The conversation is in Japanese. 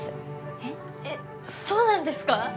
えっそうなんですか？